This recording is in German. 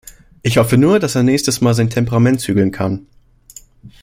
Ich hoffe nur, dass er nächstes Mal sein Temperament zügeln kann.